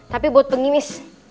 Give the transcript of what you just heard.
tapi buat pengimis